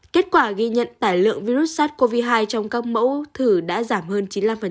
kết quả ghi nhận tải lượng virus sars cov hai trong các mẫu thử đã giảm hơn chín mươi năm